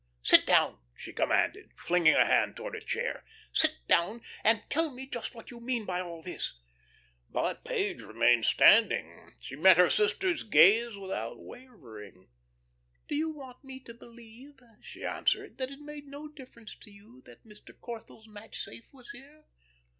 Sit down," she commanded, flinging a hand towards a chair, "sit down, and tell me just what you mean by all this." But Page remained standing. She met her sister's gaze without wavering. "Do you want me to believe," she answered, "that it made no difference to you that Mr. Corthell's match safe was here?"